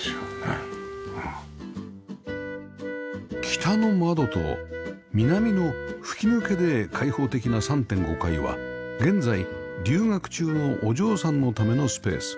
北の窓と南の吹き抜けで開放的な ３．５ 階は現在留学中のお嬢さんのためのスペース